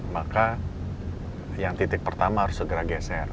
maka yang titik pertama harus segera geser